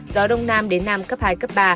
gió đông nam đến nam cấp hai cấp ba